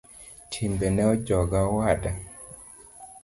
Timbene ojoga owada.